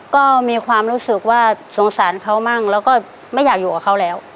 ก็มีความรู้สึกว่าสงสารเขามั่งแล้วก็ไม่อยากอยู่กับเขาแล้ว